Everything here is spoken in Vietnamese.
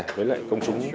với lại công chúng